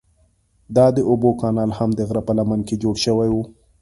دا د اوبو کانال هم د غره په لمنه کې جوړ شوی و.